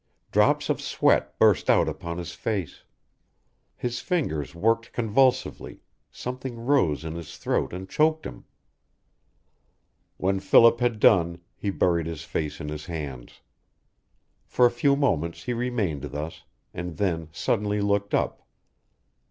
Drops of sweat burst out upon his face. His fingers worked convulsively, something rose in his throat and choked him. When Philip had done he buried his face in his hands. For a few moments he remained thus, and then suddenly looked up.